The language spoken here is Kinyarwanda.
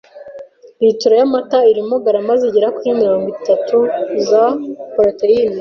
Litiro y'amata irimo garama zigera kuri mirongo itatu za poroteyine.